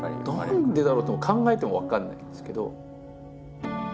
何でだろう？と考えても分かんないんですけど。